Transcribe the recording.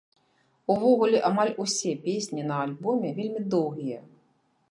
Увогуле, амаль усе песні на альбоме вельмі доўгія.